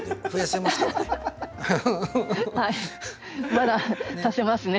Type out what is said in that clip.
まだ足せますね。